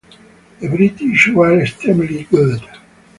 The British were extremely good.